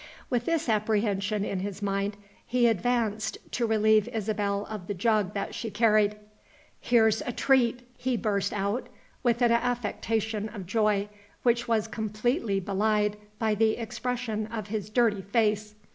With this apprehension in his mind, he advanced to relieve Isabel of the jug that she carried. "Here's a treat!" he burst out, with an affectation of joy, which was completely belied by the expression of his dirty face.